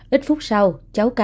ít phút sau cháu k